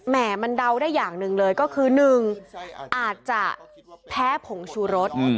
มันเดาได้อย่างหนึ่งเลยก็คือ๑อาจจะแพ้ผงชูรส